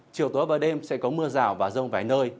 chiều tối và đêm sẽ có mưa rào và rông vài nơi